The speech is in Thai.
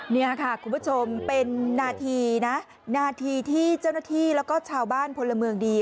นี่ค่ะคุณผู้ชมเป็นนาทีนะนาทีที่เจ้าหน้าที่แล้วก็ชาวบ้านพลเมืองดี